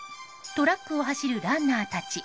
トラックを走るランナーたち。